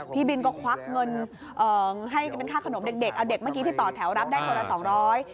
พี่บินก็ควักเงินให้เป็นค่าขนมเด็กเอาเด็กเมื่อกี้ที่ต่อแถวรับได้คนละสองร้อย